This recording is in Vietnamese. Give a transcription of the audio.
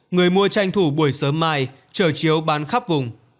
người mua tranh thủ buổi sớm mai trở chiếu bán khắp vùng